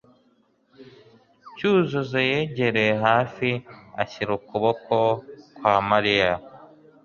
Cyuzuzo yegereye hafi, ashyira ukuboko kwa Mariya.